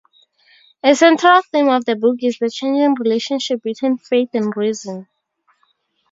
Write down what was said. A central theme of the book is the changing relationship between faith and reason.